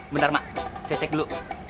bentar mak saya cek dulu